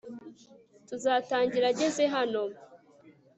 Tuzatangira ageze hano